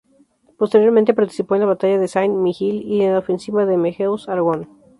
Posteriormente participó en la batalla de Saint-Mihiel y en la ofensiva de Meuse-Argonne.